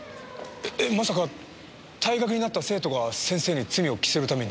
えっまさか退学になった生徒が先生に罪を着せるために？